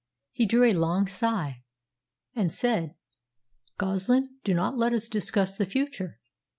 He drew a long sigh and said, "Goslin, do not let us discuss the future.